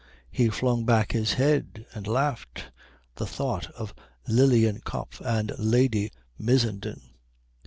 He flung back his head and laughed. The thought of Lilienkopf and Lady Missenden....